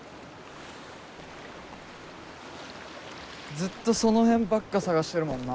ずっとその辺ばっか探してるもんな。